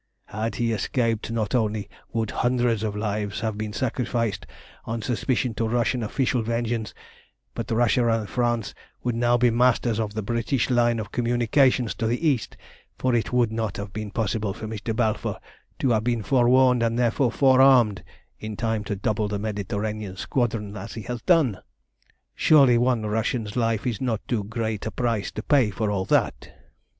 "Had he escaped, not only would hundreds of lives have been sacrificed on suspicion to Russian official vengeance, but Russia and France would now be masters of the British line of communication to the East, for it would not have been possible for Mr. Balfour to have been forewarned, and therefore forearmed, in time to double the Mediterranean Squadron as he has done. Surely one Russian's life is not too great a price to pay for all that."